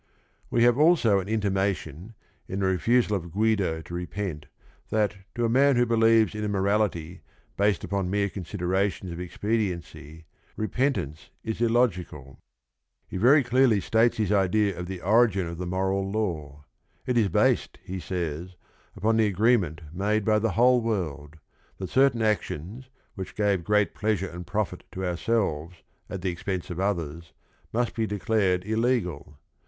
We have also an intimation, in the refusal of Guido to repent, that, to a man who believes in a morality based upon mere considerations of expediency, repentance is illogical. He very clearly states his idea of the origin of the moral law. It is based, he says, upon the agreement made by the whole world, that certain actions which gave great pleasure and profit to ourselves at the expense of others must be declared illegal.